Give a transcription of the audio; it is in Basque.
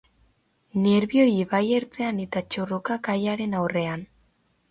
Nerbioi ibai ertzean eta Txurruka kaiaren aurrean.